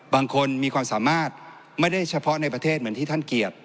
บางคนมีความสามารถไม่ได้เฉพาะในประเทศเหมือนที่ท่านเกียรติ